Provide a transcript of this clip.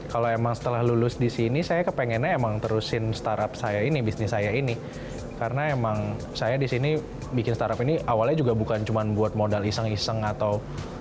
kalau emang setelah lulus di sini saya kepengennya emang terusin startup saya ini bisnis saya ini karena emang saya disini bikin startup ini awalnya juga bukan cuma buat modal iseng iseng atau